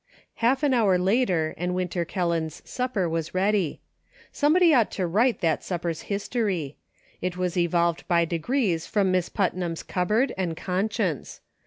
Half an hour later, and Winter Kelland's sup per was ready. Somebody ought to write that supper's history. It was evolved by degrees from Miss Putnam's cupboard and conscience.